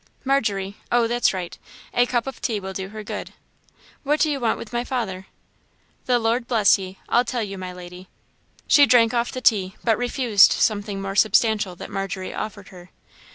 Margery oh, that's right a cup of tea will do her good. What do you want with my father?" "The Lord bless ye! I'll tell you, my lady." She drank off the tea, but refused something more substantial that Margery offered her.